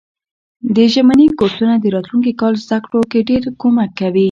ژمني کورسونه د راتلونکي کال زده کړو کی ډیر کومک کوي.